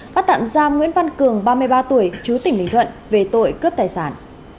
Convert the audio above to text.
bắt tạm giam nguyễn văn cường ba mươi ba tuổi chú tỉnh bình thuận về tội cướp tài sản